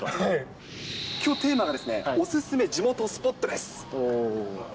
きょうテーマがお勧め地元スポットです。